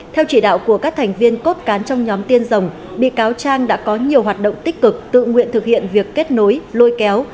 theo chỉ đạo của các thành viên cốt cán trong nhóm tiên rồng bị cáo trang đã có nhiều hoạt động tích cực tự nguyện thực hiện việc kết nối lôi kéo